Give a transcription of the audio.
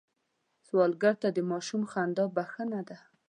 سوالګر ته د ماشوم خندا بښنه ده